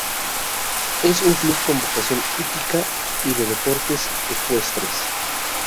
Es un club con vocación hípica y de deportes ecuestres.